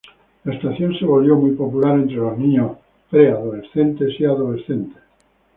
La estación se volvió muy popular entre los niños, preadolescentes y adolescentes.